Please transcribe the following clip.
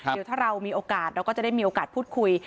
เดี๋ยวถ้าเรามีโอกาสเราก็จะได้มีโอกาสพูดคุย